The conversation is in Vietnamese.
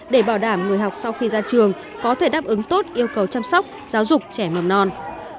để bảo đảm người học sau khi ra trường có thể đáp ứng tốt yêu cầu chăm sóc giáo dục trẻ mầm non